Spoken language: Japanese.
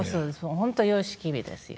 本当様式美ですよ。